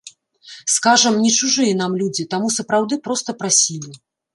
Скажам, не чужыя нам людзі, таму, сапраўды, проста прасілі.